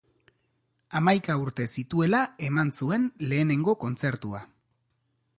Hamaika urte zituela eman zuen lehenengo kontzertua.